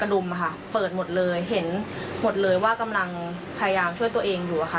รุมค่ะเปิดหมดเลยเห็นหมดเลยว่ากำลังพยายามช่วยตัวเองอยู่อะค่ะ